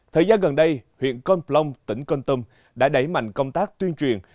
thời gian gần đây huyện con plong tỉnh con tâm đã đẩy mạnh công tác tuyên truyền